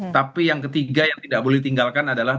tapi yang ketiga yang tidak boleh ditinggalkan adalah